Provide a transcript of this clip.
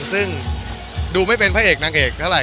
ซึ่งดูไม่เป็นพระเอกนางเอกเท่าไห